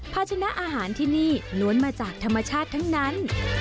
ภาชนะอาหารที่นี่ล้วนมาจากธรรมชาติทั้งนั้น